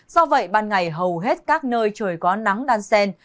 do vậy ban ngày hầu hết các nơi trời có nắng đan sen